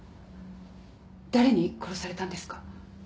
誰に殺されたんですか？